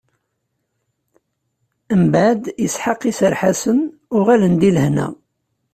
Mbeɛd, Isḥaq iserreḥ-asen, uɣalen di lehna.